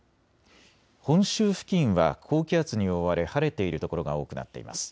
本州付近は高気圧に覆われ晴れている所が多くなっています。